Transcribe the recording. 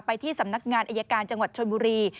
ที่สำนักงานอายการจังหวัดชนบุรี